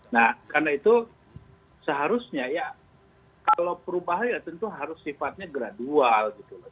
nah karena itu seharusnya ya kalau perubahan ya tentu harus sifatnya gradual gitu loh